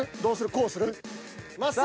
こうする？